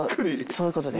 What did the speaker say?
そういうことです。